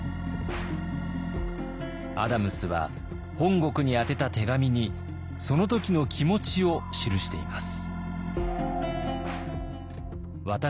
アダムスは本国に宛てた手紙にその時の気持ちを記しています。